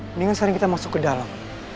mendingan sering kita masuk ke dalam